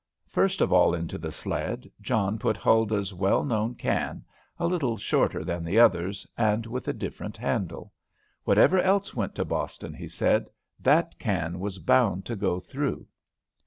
First of all into the sled, John put Huldah's well known can, a little shorter than the others, and with a different handle. "Whatever else went to Boston," he said, "that can was bound to go through."